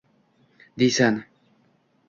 deysan